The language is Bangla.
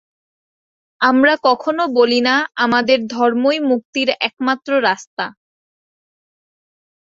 আমরা কখনও বলি না, আমাদের ধর্মই মুক্তির একমাত্র রাস্তা।